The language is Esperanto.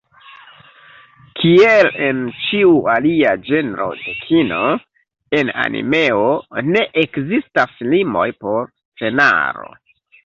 Kiel en ĉiu alia ĝenro de kino, en animeo ne ekzistas limoj por scenaro.